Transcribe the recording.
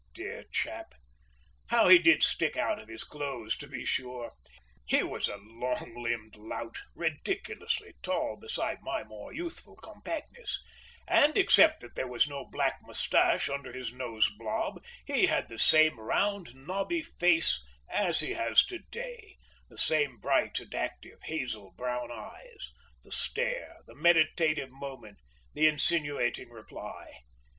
Dear chap, how he did stick out of his clothes to be sure! He was a longlimbed lout, ridiculously tall beside my more youth full compactness, and, except that there was no black moustache under his nose blob, he had the same round knobby face as he has to day, the same bright and active hazel brown eyes, the stare, the meditative moment, the insinuating reply.